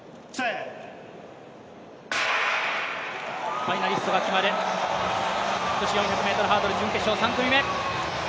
ファイナリストが決まる女子４００ｍハードル準決勝３組目。